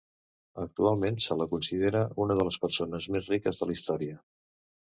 Actualment se la considera una de les persones més riques de la història.